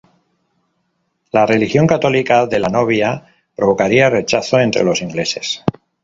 La religión católica de la novia provocaría rechazo entre los ingleses.